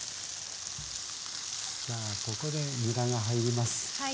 じゃここでにらが入ります。